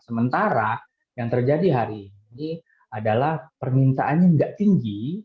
sementara yang terjadi hari ini adalah permintaannya tidak tinggi